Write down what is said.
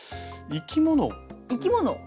生き物？